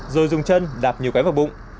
rồi dùng chân đạp nhiều cái vào bụng